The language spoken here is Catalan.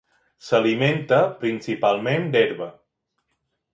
S'alimenta principalment d'herba.